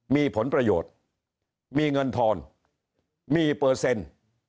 มีผลประโยชน์มีเงินทอนมีเปอร์เซ็นต์